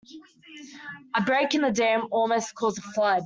A break in the dam almost caused a flood.